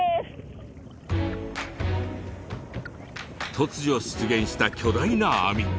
突如出現した巨大な網。